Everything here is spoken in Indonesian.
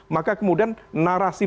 maka kemudian narasi